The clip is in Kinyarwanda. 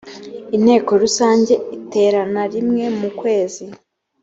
inteko rusange iterana rimwe mu kwezi.